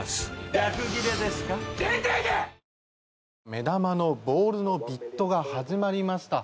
目玉のボールのビットが始まりました。